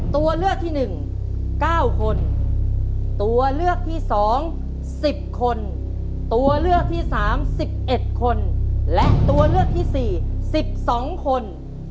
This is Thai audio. ตัวเลือกที่๑๙คนตัวเลือกที่๒๑๐คนตัวเลือกที่๓๑๑คนและตัวเลือกที่๔๑๒คน